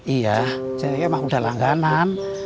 iya ceyoyo mah udah langganan